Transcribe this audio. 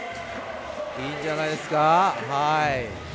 いいじゃないですか！